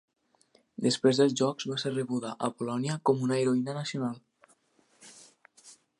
Després dels Jocs va ser rebuda a Polònia com una heroïna nacional.